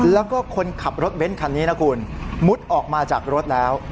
แล้วก็คนขับรถเบ้นคันนี้นะคุณมุดออกมาจากรถแล้ว